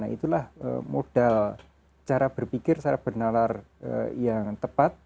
nah itulah modal cara berpikir cara bernalar yang tepat